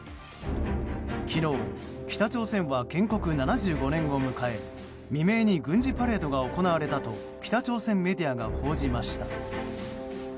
昨日、北朝鮮は建国７５年を迎え未明に軍事パレードが行われたと北朝鮮メディアが報じました。